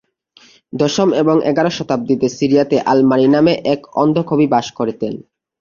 দশম এবং এগারো শতাব্দীতে সিরিয়াতে আল-মারি নামে এক অন্ধ কবি বাস করতেন।